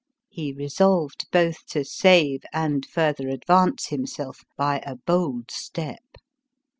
He resolved both 0 to save and further advance himself by a bold step.